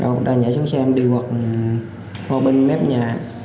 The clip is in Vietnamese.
rồi ông đã nhảy xuống xe em đi hoặc qua bên mép nhà